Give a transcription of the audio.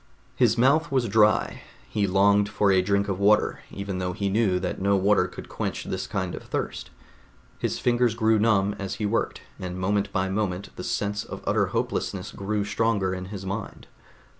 His mouth was dry; he longed for a drink of water, even though he knew that no water could quench this kind of thirst. His fingers grew numb as he worked, and moment by moment the sense of utter hopelessness grew stronger in his mind.